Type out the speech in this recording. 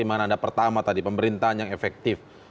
dimana anda pertama tadi pemerintahan yang efektif